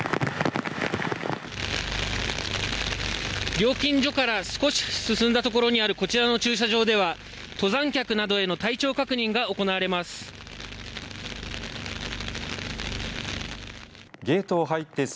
料金所から少し進んだ所にあるこちらの駐車場では登山客などへの体調確認が行われます。